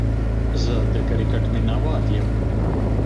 زه دا کرکټ ميناوال يم